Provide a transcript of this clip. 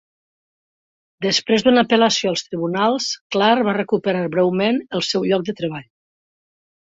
Després d'una apel·lació als tribunals, Clark va recuperar breument el seu lloc de treball.